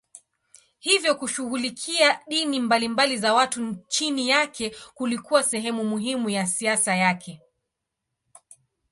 Hivyo kushughulikia dini mbalimbali za watu chini yake kulikuwa sehemu muhimu ya siasa yake.